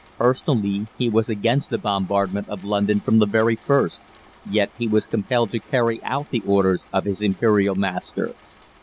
Personally, he was against the bombardment of London from the very first, yet he was compelled to carry out the orders of his Imperial master.